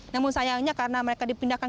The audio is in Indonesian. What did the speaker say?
namun sayangnya karena mereka dipindahkan